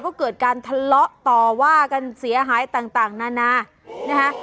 ก็เกิดการทะเลาะต่อว่ากันเสียหายต่างนานานะคะ